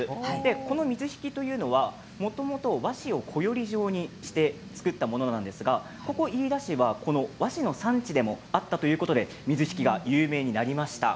この水引というのはもともと和紙をこより状にして作ったものなんですが飯田市は和紙の産地でもあったということで水引が有名になりました。